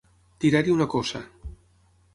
Tirar-hi una coça.